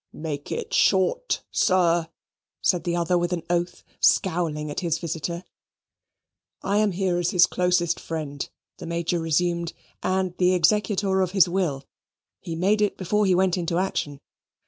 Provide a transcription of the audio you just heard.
"Make it short, sir," said the other with an oath, scowling at his visitor. "I am here as his closest friend," the Major resumed, "and the executor of his will. He made it before he went into action.